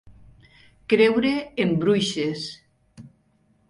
Creure en bruixes.